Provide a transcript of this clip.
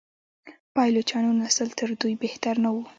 پایلوچانو نسل تر دوی بهتر نه و.